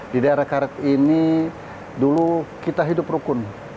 di daerah karet ini dulu kita hidup rukun